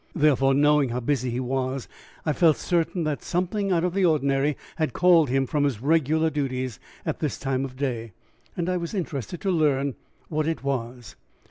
Therefore, knowing how busy he was, I felt certain that something out of the ordinary had called him from his regular duties at this time of day, and I was interested to learn what it was.